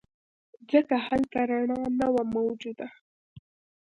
ځکه هلته رڼا نه وه موجوده.